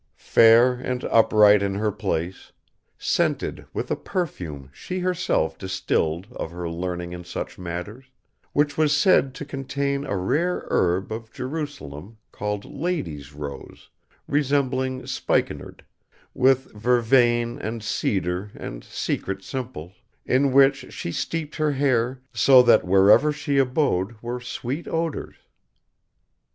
"Fair and upright in her place, scented with a perfume she herself distilled of her learning in such matters; which was said to contain a rare herb of Jerusalem called Lady's Rose, resembling spikenard, with vervain and cedar and secret simples; in which she steeped her hair so that wherever she abode were sweet odours.